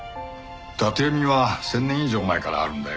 縦読みは１０００年以上前からあるんだよ。